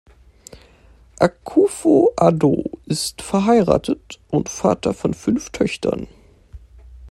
Akufo-Addo ist verheiratet und Vater von fünf Töchtern.